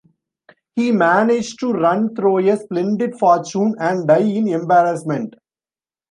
He managed to run through a splendid fortune and die in embarrassment.